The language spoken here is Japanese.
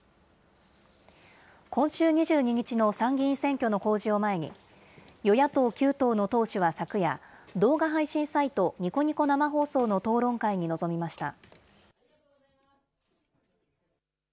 今週２２日の参議院選挙の公示を前に、与野党９党の党首は昨夜、動画配信サイト、ニコニコ生放送の討論会に臨みました。